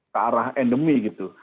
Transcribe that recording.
ke arah endemi gitu